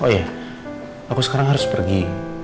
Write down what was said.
oh iya aku sekarang harus pergi